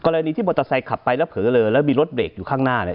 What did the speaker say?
กรณีที่มอเตอร์ไซค์ขับไปแล้วเผลอเลอแล้วมีรถเบรกอยู่ข้างหน้าเนี่ย